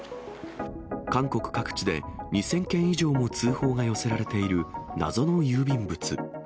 韓国各地で２０００件以上も通報が寄せられている謎の郵便物。